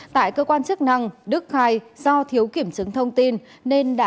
tại cơ quan chức năng đức khai do thiếu kiểm chứng thông tin